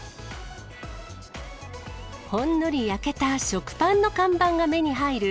ほんのり焼けた食パンの看板が目に入る